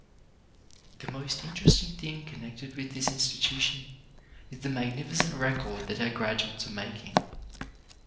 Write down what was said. The most interesting thing connected with HELPING OTHERS 17 this institution is the magnificent record that our graduates are making.